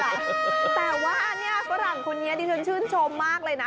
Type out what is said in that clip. แต่ว่าเนี่ยฝรั่งคนนี้ดิฉันชื่นชมมากเลยนะ